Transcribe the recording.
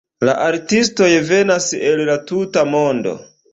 La artistoj venas el la tuta mondo.